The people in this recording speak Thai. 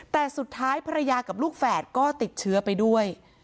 แต่สุดท้ายภรรยากับลูกแฝดก็ติดเชื้อไปด้วย